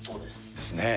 ですね。